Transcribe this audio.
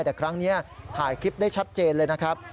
แต่ครั้งนี้ถ่ายคลิปได้ชัดเจนเลยนะครับ